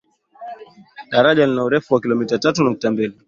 Daraja lina urefu wa kilomita tatu nukta mbili